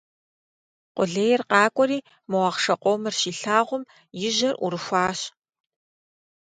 Къулейр къакӀуэри мо ахъшэ къомыр щилъагъум и жьэр Ӏурыхуащ.